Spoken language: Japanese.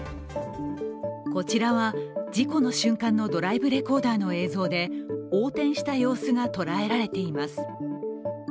こちらは事故の瞬間のドライブレコーダーの映像で横転した様子が捉えられています。